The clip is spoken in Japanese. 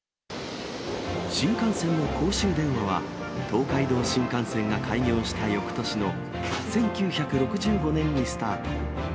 新幹線の公衆電話は、東海道新幹線が開業したよくとしの１９６５年にスタート。